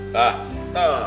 lalu jadi bingung